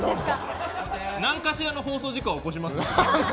なんかしらの放送事故は起こしますんで。